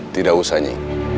tidak usah nyi